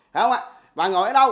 thấy không ạ và ngồi ở đâu